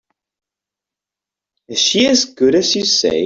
Is she as good as you say?